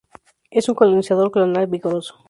Es un colonizador clonal vigoroso.